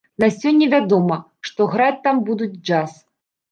На сёння вядома, што граць там будуць джаз.